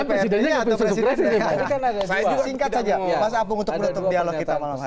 mas apung untuk menutup dialog kita malam hari ini